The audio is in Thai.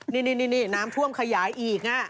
นี่นี่นี่นี่น้ำท่วมขยายอีกนะ